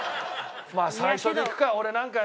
まあ最初でいくか。